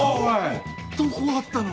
どこあったの？